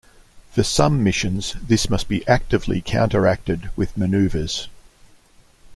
For some missions this must be actively counter-acted with manoeuvres.